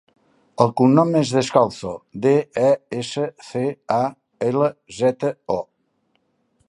El cognom és Descalzo: de, e, essa, ce, a, ela, zeta, o.